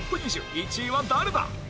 １位は誰だ？